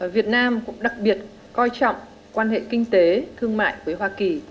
việt nam cũng đặc biệt coi trọng quan hệ kinh tế thương mại với hoa kỳ